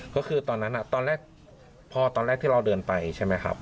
ก็คือตอนนั้นตอนแรกพอตอนแรกที่เราเดินไปใช่ไหมครับ